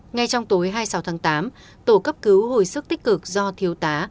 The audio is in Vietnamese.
ngay trong tối hai mươi sáu tháng tám tổ cấp cứu hồi sức tích cực do thiếu tá